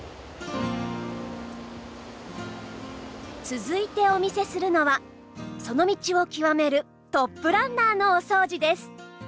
続いてお見せするのはその道を極めるトップランナーのお掃除です。